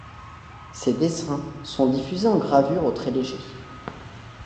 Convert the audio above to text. Ses dessins sont diffusés en gravures au trait léger.